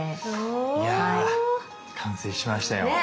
いや完成しましたよ。ね。